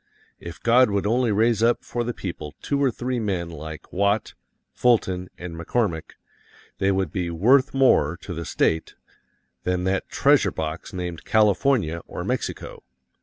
If God would only raise up for the people two or three men like Watt, Fulton and McCormick, they would be worth more to the State than that treasure box named California or Mexico.